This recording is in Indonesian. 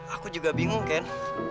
aku juga bingung ken